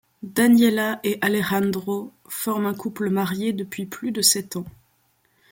Daniela et Alejandro forment un couple marié depuis plus de sept ans.